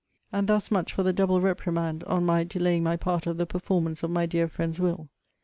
And thus much for the double reprimand, on my delaying my part of the performance of my dear friend's will.